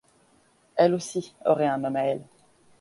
Elle aussi aurait un homme à elle.